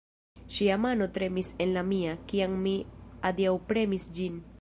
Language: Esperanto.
Ŝia mano tremis en la mia, kiam mi adiaŭpremis ĝin!